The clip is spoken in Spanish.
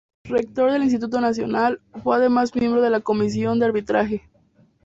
Rector del Instituto Nacional, fue además miembro de la Comisión de Arbitraje.